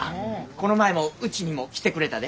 この前もうちにも来てくれたで。